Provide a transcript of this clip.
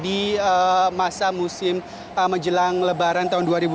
di masa musim menjelang lebaran tahun dua ribu dua puluh